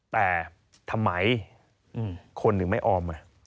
แต่ทำไมคนถึงไม่ออม